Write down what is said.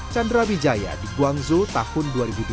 chandra wijaya di guangzhou tahun dua ribu dua